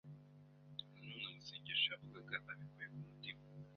Nanone amasengesho yavugaga abikuye ku mutima